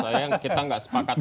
saya yang kita nggak sepakat